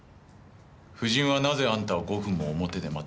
夫人はなぜあんたを５分も表で待たせたんだ？